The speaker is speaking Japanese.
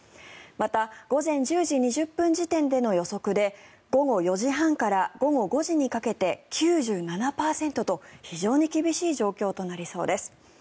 また、午前１０時２０分時点での予測で午後４時半から午後５時にかけて９７％と非常に厳しい状況となりそうです。